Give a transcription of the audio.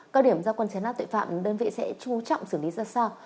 cao điểm do quân chế nát tội phạm đơn vị sẽ chú trọng xử lý ra sao